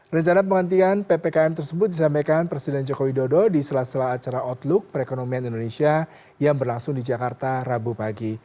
rencana penghentian ppkm tersebut disampaikan presiden joko widodo di sela sela acara outlook perekonomian indonesia yang berlangsung di jakarta rabu pagi